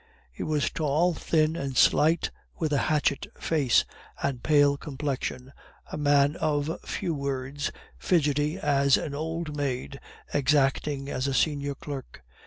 He was tall, thin, and slight, with a hatchet face, and pale complexion; a man of few words, fidgety as an old maid, exacting as a senior clerk.